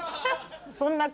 そんな。